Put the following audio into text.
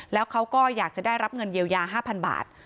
แล้วเขาก็อยากจะได้รับเงินเยียวยา๕๐๐บาท